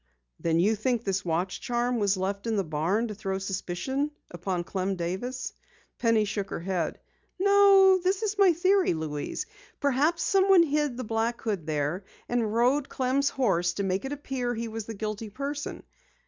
"Then you think this watch charm was left in the barn to throw suspicion upon Clem Davis!" Penny shook her head. "No, this is my theory, Louise. Perhaps someone hid the black hood there, and rode Clem's horse to make it appear he was the guilty person.